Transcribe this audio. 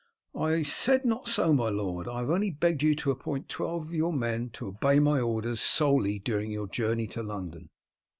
"I said not so, my lord. I have only begged you to appoint twelve of your men to obey my orders solely, during your journey to London."